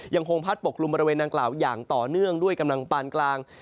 ยังคงพัดปกคลุมบริเวณดังกล่าวอย่างต่อเนื่องด้วยกำลังปานกลาง